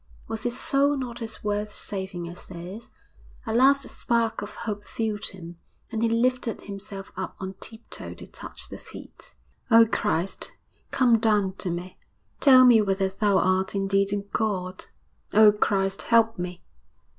Was his soul not as worth saving as theirs? A last spark of hope filled him, and he lifted himself up on tip toe to touch the feet. 'Oh, Christ, come down to me! tell me whether Thou art indeed a God. Oh, Christ, help me!'